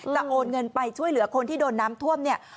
โอนเงินไปช่วยเหลือคนที่โดนน้ำท่วมเนี่ย